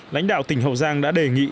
lãnh đạo tỉnh hậu giang đã đề nghị